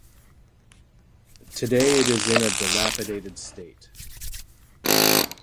Today it is in a dilapidated state.